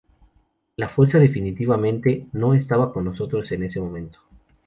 La fuerza definitivamente, no estaba con nosotros en ese momento"".